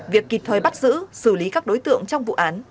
việc kịp thời bắt giữ xử lý các đối tượng trong vụ án